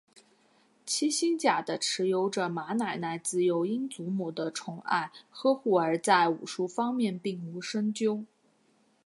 七星甲的持有者马奶奶自幼因祖母的宠爱呵护而在武术方面并无深究。